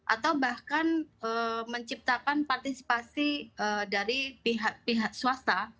atau bahkan menciptakan partisipasi dari pihak pihak swasta